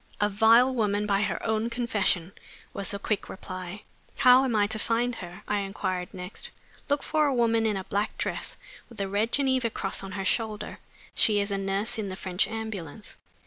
"A vile woman, by her own confession," was the quick reply. "How am I to find her?" I inquired next. "Look for a woman in a black dress, with the Red Geneva Cross on her shoulder; she is a nurse in the French ambulance."